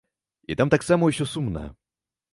І там таксама ўсё сумна.